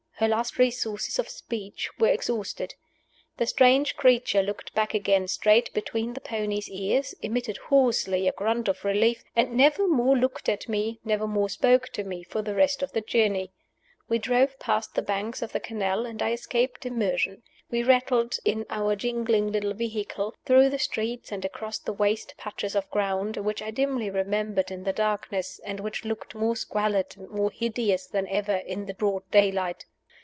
Her last resources of speech were exhausted. The strange creature looked back again straight between the pony's ears, emitted hoarsely a grunt of relief, and never more looked at me, never more spoke to me, for the rest of the journey. We drove past the banks of the canal, and I escaped immersion. We rattled, in our jingling little vehicle, through the streets and across the waste patches of ground, which I dimly remembered in the darkness, and which looked more squalid and more hideous than ever in the broad daylight.